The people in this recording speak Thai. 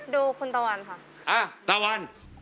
ดูคุณตะวันค่ะ